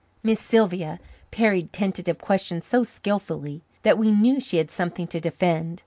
Miss Sylvia parried tentative questions so skilfully that we knew she had something to defend.